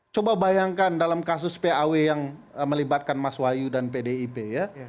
coba bayangkan dalam kasus paw yang melibatkan mas wahyu dan pdip ya